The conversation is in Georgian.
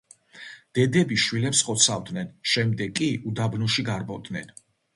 დედები შვილებს ხოცავდნენ, შემდეგ კი უდაბნოში გარბოდნენ.